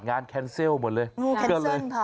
งานแคนเซลหมดเลย